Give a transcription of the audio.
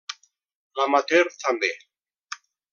L'amateur, també.